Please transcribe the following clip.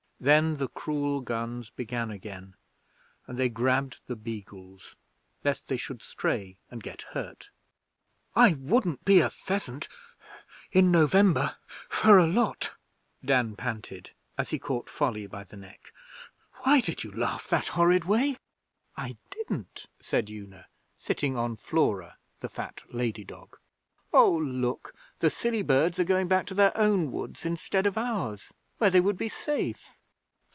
Then the cruel guns began again, and they grabbed the beagles lest they should stray and get hurt. 'I wouldn't be a pheasant in November for a lot,' Dan panted, as he caught Folly by the neck. 'Why did you laugh that horrid way?' 'I didn't,' said Una, sitting on Flora, the fat lady dog. 'Oh, look! The silly birds are going back to their own woods instead of ours, where they would be safe.'